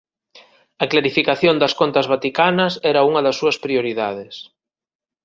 A clarificación das contas vaticanas era unha das súas prioridades.